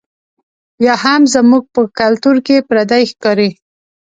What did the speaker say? یا هم زموږ په کلتور کې پردۍ ښکاري.